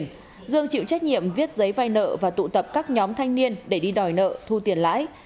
nguyễn trọng dương chịu trách nhiệm viết giấy vay nợ và tụ tập các nhóm thanh niên để đi đòi nợ thu tiền lãi